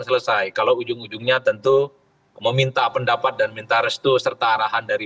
selesai kalau ujung ujungnya tentu meminta pendapat dan minta restu serta arahan dari